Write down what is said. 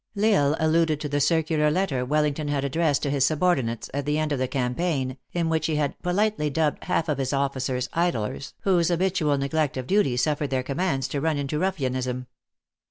L Isle alluded to the circular letter Wellington had addressed to his subordinates, at the end of the cam paign, in which he had politely dubbed half of his officers idlers, whose habitual neglect of duty suffered their commands to run into ruffianism.